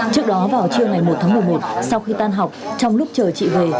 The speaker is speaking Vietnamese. trước đó vào trưa ngày một tháng một mươi một sau khi tan học trong lúc chờ chị về